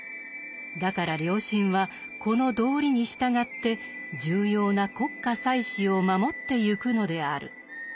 だから良臣はこの道理に従って重要な国家祭祀を守ってゆくのである。